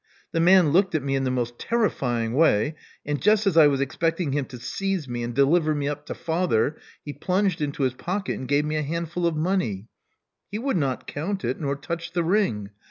The man looked at me in the most terrifying way; and just as I was expecting him to seize me and deliver me up to father, he plunged into his pocket and gave me a handful of money. He would not count it, nor touch the ring.